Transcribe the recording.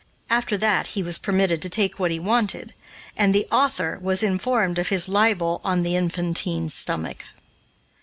After that he was permitted to take what he wanted, and "the author" was informed of his libel on the infantile stomach.